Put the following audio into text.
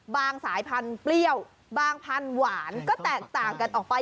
สายพันธุ์เปรี้ยวบางพันธุ์หวานก็แตกต่างกันออกไป